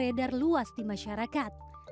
beredar luas di masyarakat